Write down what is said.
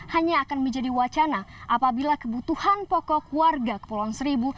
hanya akan menjadi wacana apabila kebutuhan pokok warga kepulauan seribu